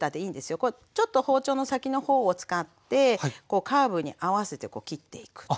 ちょっと包丁の先のほうを使ってこうカーブに合わせて切っていく。